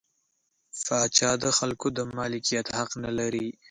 پاچا د خلکو د مالکیت حق نلري.